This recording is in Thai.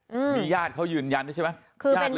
อืมมีญาติเขายืนยันด้วยใช่ไหม